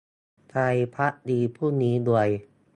ไทยภักดีพรุ่งนี้รวย